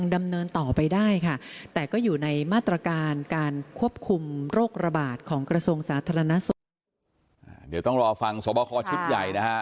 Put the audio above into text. เดี๋ยวต้องรอฟังสวบคอชุดใหญ่นะฮะ